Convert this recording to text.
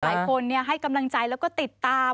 หลายคนให้กำลังใจแล้วก็ติดตาม